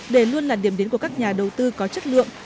để luôn là điểm đến của các nhà đầu tư có chất lượng